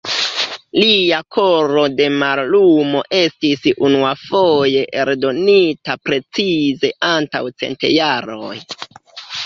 Lia Koro de Mallumo estis unuafoje eldonita precize antaŭ cent jaroj.